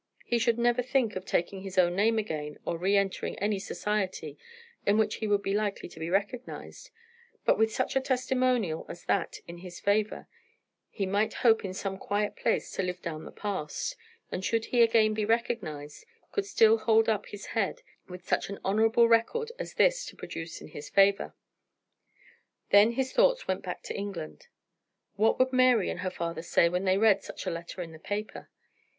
He should never think of taking his own name again or re entering any society in which he would be likely to be recognised, but with such a testimonial as that in his favour he might hope in some quiet place to live down the past, and should he again be recognised, could still hold up his head with such an honourable record as this to produce in his favour. Then his thoughts went back to England. What would Mary and her father say when they read such a letter in the paper?